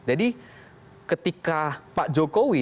jadi ketika pak jokowi